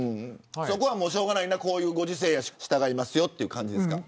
そこは、もうしょうがないなこういうご時世やし従いますよという感じですか。